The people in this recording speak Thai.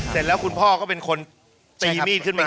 เสร็จแล้วคุณพ่อก็เป็นคนตีมีดขึ้นมา